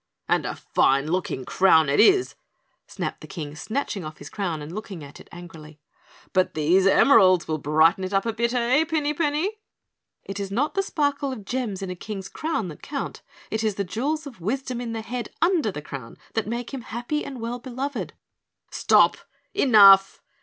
"And a fine looking crown it is," snapped the King, snatching off his crown and looking at it angrily. "But these emeralds will brighten it up a bit, eh, Pinny Penny?" "It is not the sparkle of gems in a King's crown that count, it is the jewels of wisdom in the head under the crown that make him happy and well beloved " "Stop! Enough!"